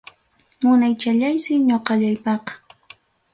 Munaychallaysi ñoqallaypaqa.